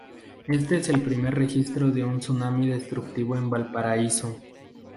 Este es el primer registro de un tsunami destructivo en Valparaíso.